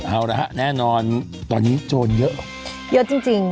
เอาละฮะแน่นอนตอนนี้โจรเยอะเยอะจริง